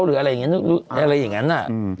หรืออะไรอย่างนั้น